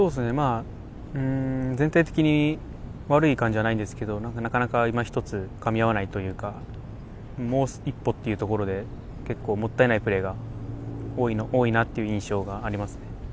◆全体的に悪い感じはないんですけど、なかなかいまひとつかみ合わないというかもう一歩というところで結構もったいないプレーが多いなという印象がありますね。